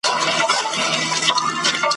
د ژوندون به نوی رنگ وي نوی خوند وي ,